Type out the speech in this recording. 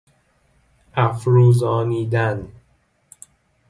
افروزانیدن